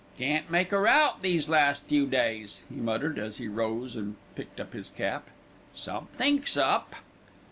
"Can't make 'er out these last few days," he muttered, as he rose and picked up his cap. "Somethink's up!"